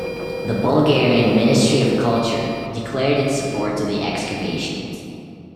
The Bulgarian Ministry of Culture declared its support to the excavations.